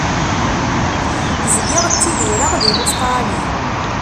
Zgiɣ ttidireɣ di Lustṛali.